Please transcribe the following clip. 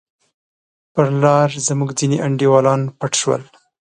پر لار زموږ ځیني انډیوالان پټ شول.